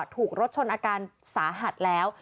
ถูกรถชนอาการสาหัสแล้ว